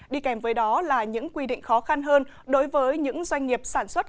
đi kèm với đó là những quy định khó khăn hơn đối với những doanh nghiệp sản xuất